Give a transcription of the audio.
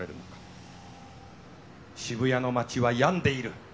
渋谷の街は病んでいる。